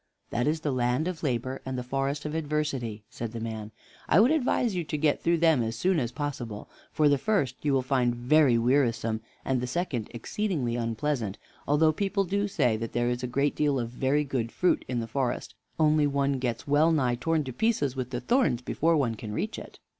"That is the land of Labor and the Forest of Adversity," said the man. "I would advise you to get through them as soon as possible, for the first you will find very wearisome, and the second exceedingly unpleasant, although people do say that there is a great deal of very good fruit in the forest; only one gets well nigh torn to pieces with the thorns before one can reach it."